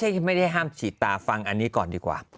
ไม่ได้ห้ามฉีดตาฟังอันนี้ก่อนดีกว่า